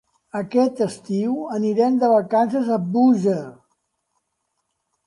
Aquest estiu anirem de vacances a Búger.